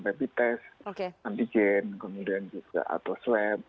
repitest antigen kemudian juga atau swab